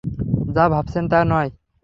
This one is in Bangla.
যা ভাবছেন তা নয়।